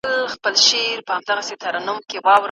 فساد څنګه مخنیوی کیږي؟